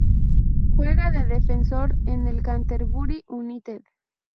Juega de defensor en el Canterbury United.